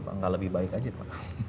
tidak lebih baik saja